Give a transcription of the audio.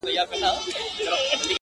دغه اوږده شپه تر سهاره څنگه تېره كړمه .